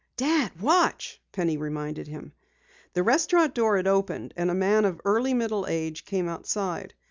"Dad, watch!" Penny reminded him. The restaurant door had opened, and a man of early middle age came outside.